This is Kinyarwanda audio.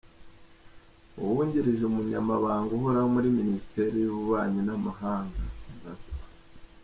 Uwungirije Umunyamabanga Uhoraho muri Minisiteri y’Ububanyi n’Amahanga Amb.